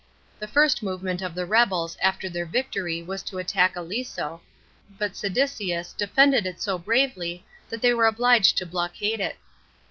The first movement of the rebels after their victory was to attack Aliso, but Caedicius defended it so bravely that they were obliged to blockade it.